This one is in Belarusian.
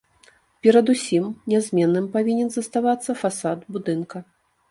Перадусім, нязменным павінен заставацца фасад будынка.